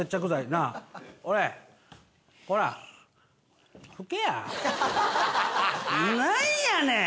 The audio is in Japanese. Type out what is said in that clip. なんやねん！